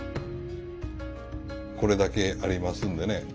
これだけありますんでね。